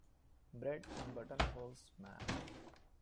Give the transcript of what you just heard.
Bread and button-holes, ma'am.